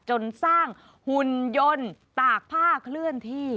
จนสร้างหุ่นยนต์ตากผ้าเคลื่อนที่